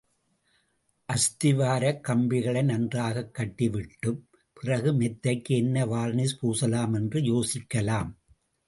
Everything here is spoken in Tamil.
அஸ்திவாரக் கப்பிகளை நன்றாகக் கட்டிவிட்டுப் பிறகு மெத்தைக்கு என்ன வார்னிஷ் பூசலாம் என்று யோசிக்கலாம்.